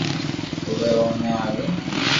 او وي او ني آوين